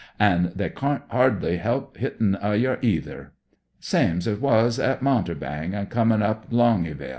An' they cam't 'ardly 'elp Wttin' of yer, neither. Same's it was at Monterbang an' comin' up to Longy val.